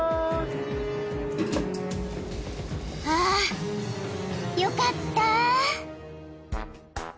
［あよかった！］